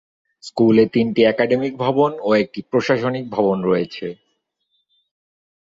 স্কুলে তিনটি একাডেমিক ভবন ও একটি প্রশাসনিক ভবন রয়েছে।